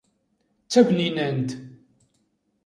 D tabninant!